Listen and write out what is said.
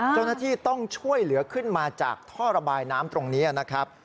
เจ้าหน้าที่ต้องช่วยเหลือขึ้นมาจากท่อระบายน้ำตรงนี้นะครับ